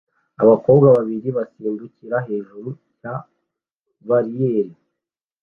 abakobwa babiri basimbukira hejuru ya bariyeri